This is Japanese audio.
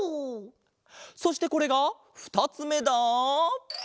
そしてこれがふたつめだ。